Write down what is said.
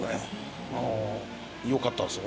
よかったですよ